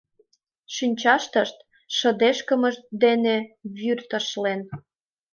Шинчаштышт шыдешкымышт дене вӱр ташлен.